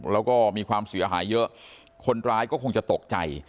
แล้วก็มีความเสียหายเยอะคนร้ายก็คงจะตกใจ